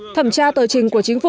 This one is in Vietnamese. thẩm tra tờ trình của chính phủ